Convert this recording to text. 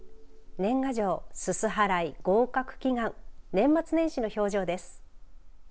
年賀状、すす払い、合格祈願年末年始の表情です。